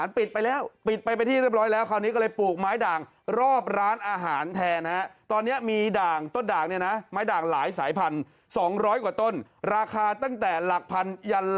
ราคาแพงสุดที่เขาเคยขาย